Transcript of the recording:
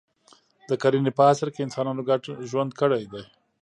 د کرنې په عصر کې انسانانو ګډ ژوند کړی دی.